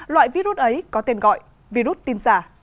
loại virus ấy có tên gọi virus tin giả